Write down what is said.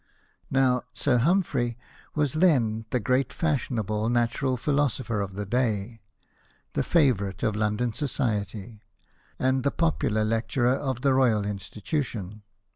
Now, Sir Humphrey was then the great fashionable natural jDhilo sopher of the day, the favourite of London society, and the popular lecturer of the Royal Institution.